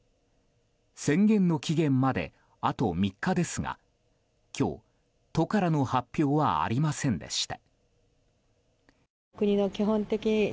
宣言の期限まで、あと３日ですが今日、都からの発表はありませんでした。